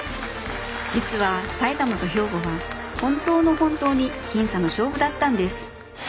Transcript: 実は埼玉と兵庫は本当の本当に僅差の勝負だったんです。